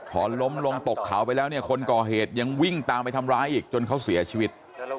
พอล้มลงตกเขาไปแล้วเนี่ยคนก่อเหตุยังวิ่งตามไปทำร้ายอีกจนเขาเสียชีวิต